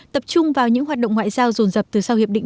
tập trung vào những hoạt động ngoại giao rồn rập từ sau hiệp định